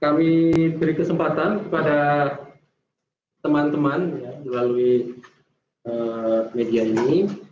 kami beri kesempatan kepada teman teman melalui media ini